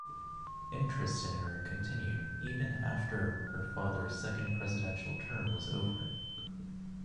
Interest in her continued even after her father's second presidential term was over.